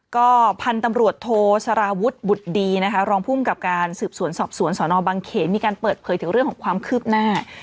ก็พันธุ์ตำรวจโทสารวุฒิบุตรดีนะคะรองภูมิกับการสืบสวนสอบสวนสนบังเขนมีการเปิดเผยถึงเรื่องของความคืบหน้า